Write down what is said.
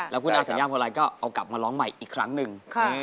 แล้วคุณอาสัญญาพอลัยก็เอากลับมาร้องใหม่อีกครั้งหนึ่ง